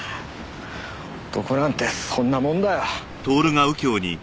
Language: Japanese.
男なんてそんなもんだよ。